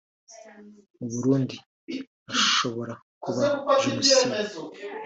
mu Burundi hashobora kuba Jenoside